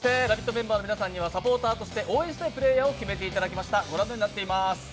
メンバーの皆さんにはサポーターとして応援したいプレーヤーを決めていただきましたご覧のようになっています。